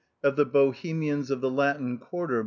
240 THE BOHEMIANS OF THE LATIN QUARTER.